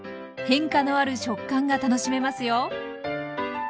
変化のある食感が楽しめますよ。